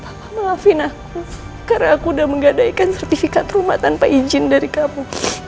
aku maafin aku karena aku udah menggadaikan sertifikat rumah tanpa izin dari kamu